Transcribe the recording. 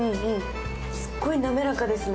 すっごい滑らかですね。